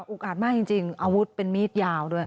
อาจมากจริงอาวุธเป็นมีดยาวด้วย